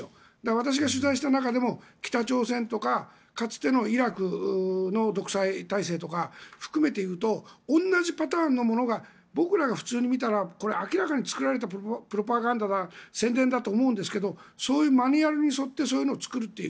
私が取材した中でも北朝鮮とかかつてのイラクの独裁体制とか含めていうと同じパターンのものが僕らが普通に見たらこれは明らかに作られたプロパガンダだ宣伝だと思うんですがマニュアルに沿ってそういうのを作るという。